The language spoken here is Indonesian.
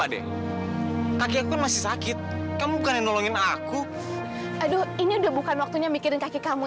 deh kaki aku masih sakit kamu kan nolongin aku aduh ini udah bukan waktunya mikirin kaki kamu